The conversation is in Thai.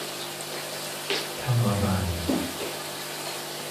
ทำอะไร ?